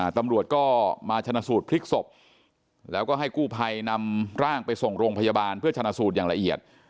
ตำรวจก็มาชนะสูตรพลิกศพแล้วก็ให้กู้ภัยนำร่างไปส่งโรงพยาบาลเพื่อชนะสูตรอย่างละเอียด